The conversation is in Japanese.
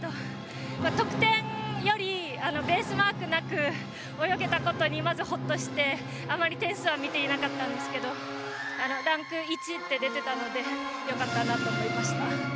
得点よりベースマークなく泳げたことにまずホッとして、あまり点数は見ていなかったんですけどランク１って出てたのでよかったなと思いました。